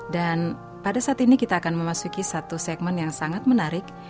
dan pada saat ini kita akan memasuki satu segmen yang sangat menarik